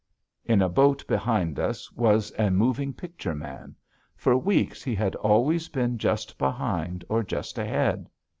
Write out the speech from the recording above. In a boat behind us was a moving picture man. For weeks he had always been just behind or just ahead.